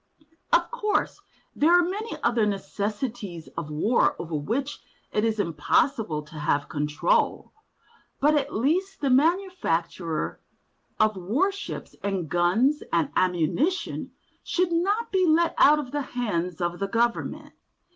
Of course there are many other necessities of war over which it is impossible to have control, but at least the manufacture of warships and guns and ammunition should not be let out of the hands of the government.